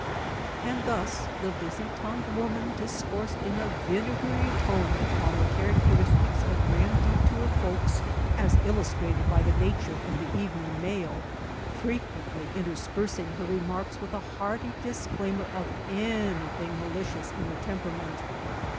And thus the busy tongued woman discoursed in a vinegary tone upon the characteristics of Grand Detour folks, as illustrated by the nature of the evening mail, frequently interspersing her remarks with a hearty disclaimer of anything malicious in her temperament.